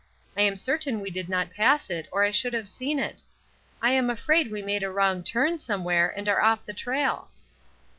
I am certain we did not pass it or I should have seen it. I am afraid we made a wrong turn, somewhere, and are off the trail."